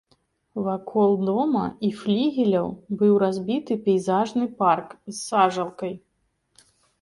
Вакол дома і флігеляў быў разбіты пейзажны парк з сажалкай.